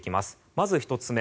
まず１つ目。